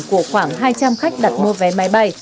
của khoảng hai trăm linh khách đặt mua vé máy bay